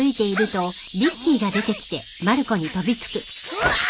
うわっ！